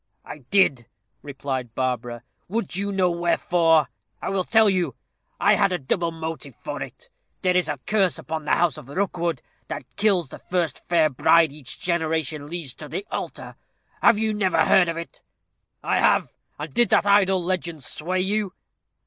"I did," replied Barbara. "Would you know wherefore? I will tell you. I had a double motive for it. There is a curse upon the house of Rookwood, that kills the first fair bride each generation leads to the altar. Have you never heard of it?" "I have! And did that idle legend sway you?"